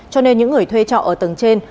cho nên những người thuê trọ ở tầng trên